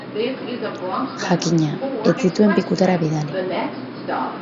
Jakina, ez zituen pikutara bidali.